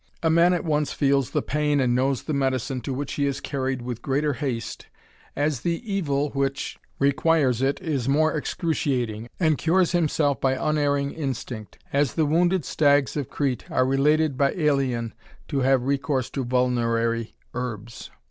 A man at once feels the pain and knows the medicine to which he is carried with greater haste as the evil which THE RAMBLER. 65 nore excruciating, and cures himself by Stinct, as the wounded stags of Crete are related to have recourse to vulnerary herbs.